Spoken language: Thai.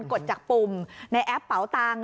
กดจากปุ่มในแอปเป๋าตังค